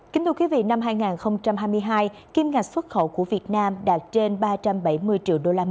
kính thưa quý vị năm hai nghìn hai mươi hai kim ngạch xuất khẩu của việt nam đạt trên ba trăm bảy mươi triệu usd tăng một mươi năm so với năm hai nghìn hai mươi một